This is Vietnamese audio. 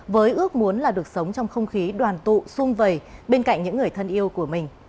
với ước muốn là được sống trong không khí đoàn tụ xung vầy bên cạnh những người thân yêu của mình